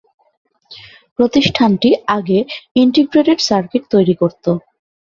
প্রতিষ্ঠানটি আগে integrated circuit তৈরি করতো।